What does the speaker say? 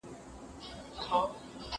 تیروتنه د انسان طبیعي برخه ده.